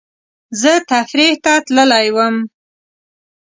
زه تفریح ته تللی وم